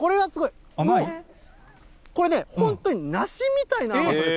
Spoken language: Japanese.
もう、これね、本当に梨みたいな甘さです。